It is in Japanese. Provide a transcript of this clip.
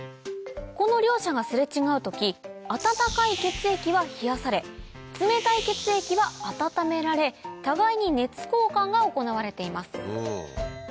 この両者が擦れ違う時温かい血液は冷やされ冷たい血液は温められ互いに熱交換が行われています